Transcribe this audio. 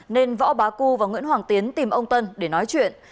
nên võ bá cư và nguyễn hoàng tiến tìm ông tân để nói chuyện